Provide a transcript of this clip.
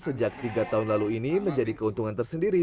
sejak tiga tahun lalu ini menjadi keuntungan tersendiri